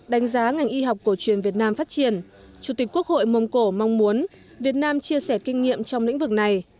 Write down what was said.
đánh giá ngành y học cổ truyền việt nam phát triển chủ tịch quốc hội mông cổ mong muốn việt nam chia sẻ kinh nghiệm trong lĩnh vực này